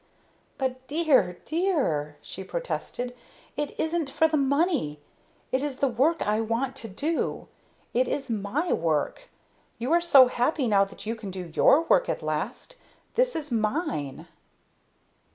"But, dear dear!" she protested. "It isn't for the money; it is the work I want to do it is my work! You are so happy now that you can do your work at last! This is mine!"